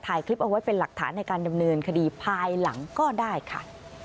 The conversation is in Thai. ถ่ายคลิปเอาไว้เป็นหลักฐานในการดำเนินคดีภายหลังก็ได้ค่ะ